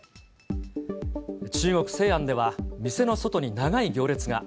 中国・西安では、店の外に長い行列が。